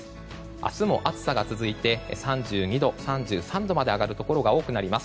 明日も暑さが続いて３２度、３３度まで上がるところが多くなります。